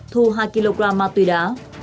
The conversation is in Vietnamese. thu hai kg ma túy đá